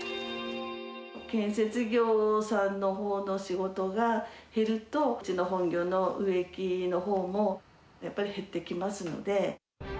建設業さんのほうの仕事が減ると、うちの本業の植木のほうも、やっぱり減ってきますので。